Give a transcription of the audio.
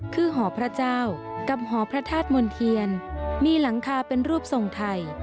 คือหอพระเจ้ากับหอพระธาตุมนเทียนมีหลังคาเป็นรูปทรงไทย